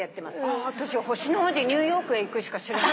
あたし『星の王子ニューヨークへ行く』しか知らない。